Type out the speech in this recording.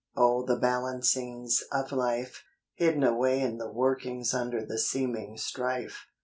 O the balancings of life, Hidden away in the workings under the seeming strife!